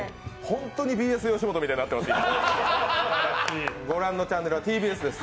本当にＢＳよしもとみたいになってます。